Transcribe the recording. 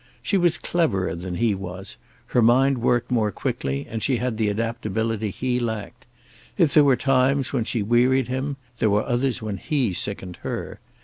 She was cleverer than he was; her mind worked more quickly, and she had the adaptability he lacked. If there were times when she wearied him, there were others when he sickened her.